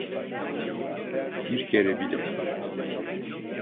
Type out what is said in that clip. Bir kere bile.